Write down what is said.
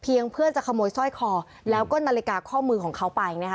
เพียงเพื่อจะคโมยช่อยข่อและนาฬิกาข้อมือของเขาไป